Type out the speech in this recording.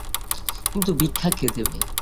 কিন্তু ভিক্ষা কে দেবে?